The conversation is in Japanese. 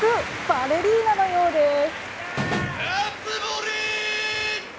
バレリーナのようです。